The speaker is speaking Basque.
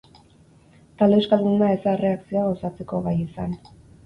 Talde euskalduna ez da erreakzioa gauzatzeko gai izan.